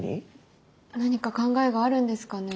何か考えがあるんですかね。